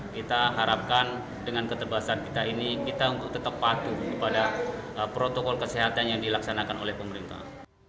kita harapkan dengan keterbatasan kita ini kita untuk tetap patuh kepada protokol kesehatan yang dilaksanakan oleh pemerintah